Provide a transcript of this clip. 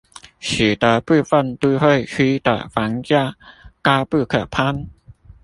使得部分都會區的房價高不可攀